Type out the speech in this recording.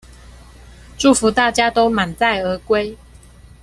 祝福大家都滿載而歸